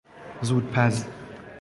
زودپز